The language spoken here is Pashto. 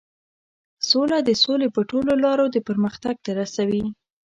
سوله د سولې په ټولو لارو د پرمختګ ته رسوي.